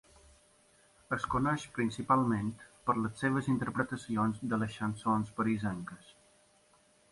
Es coneix principalment per les seves interpretacions de les chansons parisenques.